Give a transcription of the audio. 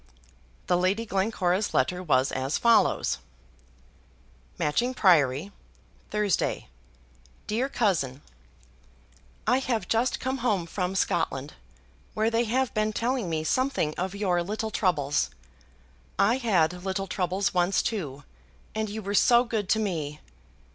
The Lady Glencora's letter was as follows: Matching Priory, Thursday. DEAR COUSIN, I have just come home from Scotland, where they have been telling me something of your little troubles. I had little troubles once too, and you were so good to me!